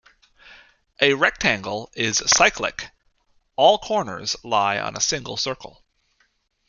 A rectangle is cyclic: all corners lie on a single circle.